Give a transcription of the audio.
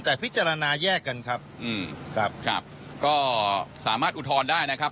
แต่พิจารณาแยกกันครับอืมครับครับก็สามารถอุทธรณ์ได้นะครับ